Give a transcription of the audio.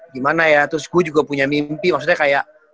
gimana ya terus gue juga punya mimpi maksudnya kayak